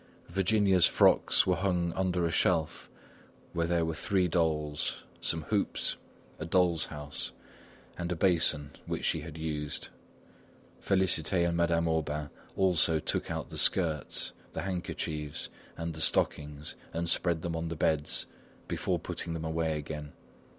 Virginia's frocks were hung under a shelf where there were three dolls, some hoops, a doll house, and a basin which she had used. Félicité and Madame Aubain also took out the skirts, the handkerchiefs, and the stockings and spread them on the beds, before putting them away again.